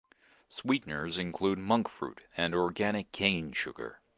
Sweeteners include monk fruit and organic cane sugar.